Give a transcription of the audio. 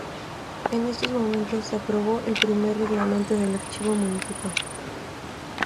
En estos momentos se aprobó el primer Reglamento del Archivo Municipal.